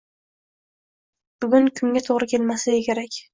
Bugungi kunga to'g'ri kelmasligi kerak.